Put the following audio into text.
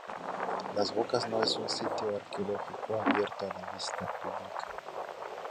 Las Bocas no es un sitio arqueológico abierto a la visita pública.